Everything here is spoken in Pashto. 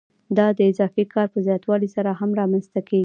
دا د اضافي کار په زیاتوالي سره هم رامنځته کېږي